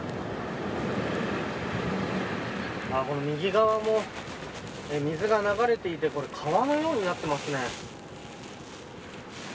右側も水が流れていて川のようになっていますね。